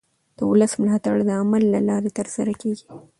د ولس ملاتړ د عمل له لارې ترلاسه کېږي